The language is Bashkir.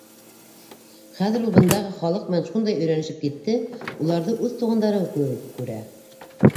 Хәҙер ул бындағы халыҡ менән шундай өйрәнешеп китте, уларҙы үҙ туғандары кеүек күрә.